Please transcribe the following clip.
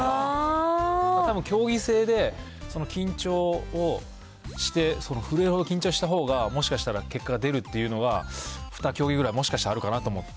たぶん競技性で、緊張をして、震えるほど緊張したほうが、もしかしたら結果が出るというのは、２競技ぐらいもしかしたらあるかなと思って。